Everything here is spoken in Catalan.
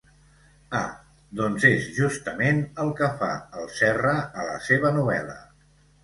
Ah, doncs és justament el que fa el Serra a la seva novel·la.